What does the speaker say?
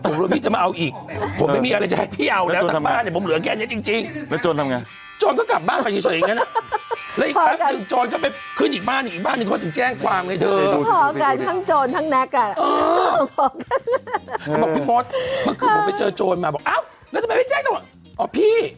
ผมรู้พี่จะมาเอาอีกผมไม่มีอะไรจะให้พี่เอาแล้วตั้งบ้านเนี่ย